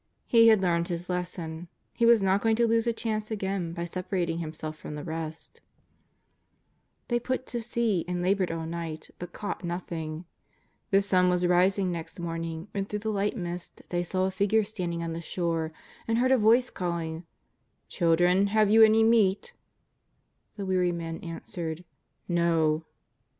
He had learned his les son ; he was not going to lose a chance again by separat ing himself from the rest. JESUS OF NAZAEETH. 393 They put to sea and laboured all niglit, but caugbt nothing. The sun was rising next morning when, through the light mist, they saw a Figure standing on the shore, and heard a Voice calling: " Children, have you any meat V The weary men answered :" iSTo."